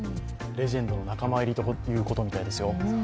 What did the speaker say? レジェンドの仲間入りということみたいですよ。